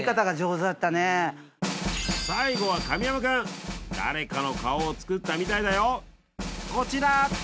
最後は神山君誰かの顔を作ったみたいだよこちら！